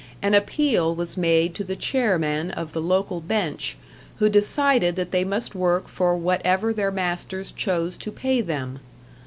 An appeal was made to the chairman of the local bench, who decided that they must work for whatever their masters chose to pay them.